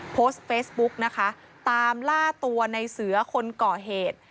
โพสต์เฟซบุ๊กนะคะตามล่าตัวในเสือคนก่อเหตุ